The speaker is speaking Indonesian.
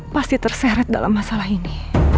pasti terseret dalam masalah ini